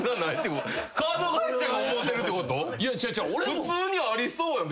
普通にありそうやん。